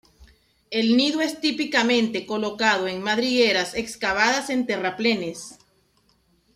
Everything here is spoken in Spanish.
El nido es típicamente colocado en madrigueras excavadas en terraplenes.